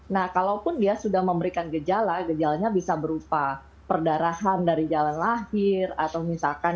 nah kalaupun dia sudah memberikan gejala gejalanya bisa berupa perdarahan dari jalan lahir atau misalkan